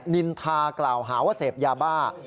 นินทากล่าวหาว่าเสพยาบ้า